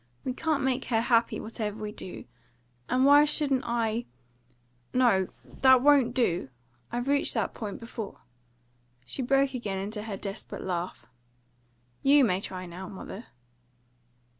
We can't make her happy whatever we do; and why shouldn't I No, that won't do! I reached that point before!" She broke again into her desperate laugh. "You may try now, mother!"